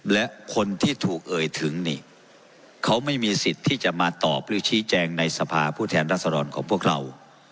และคนที่ถูกเอ่ยถึงนี่เขาไม่มีสิทธิ์ที่จะมาตอบหรือชี้แจงในสภาผู้แทนรัศดรของพวกเรา